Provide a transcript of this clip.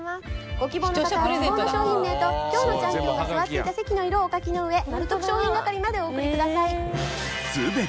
ご希望の方は希望の賞品名と今日のチャンピオンが座っていた席の色をお書きの上まる得賞品係までお送りください。